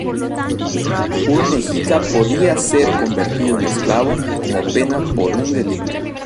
Un mexica podía ser convertido en esclavo como pena por un delito.